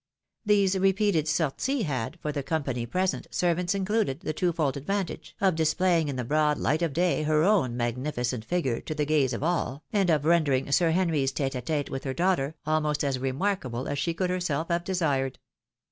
These repeated sorties had, for the company present, servants included, the twofold advantage — of displaying in the broad hght of day her own magnificent figure to the gaze of all, and of rendering Sir Henry's tete a tete with her daughter almost as remarkable as she could have herself desired.